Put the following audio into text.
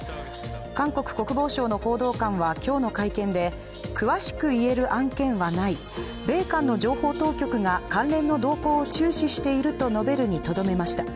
韓国国防省の報道官は今日の会見で詳しく言える案件はない、米韓の情報当局が関連の動向を注視していると述べるにとどめました。